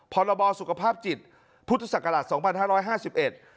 พรบสุขภาพจิตพุทธศักราช๒๕๕๑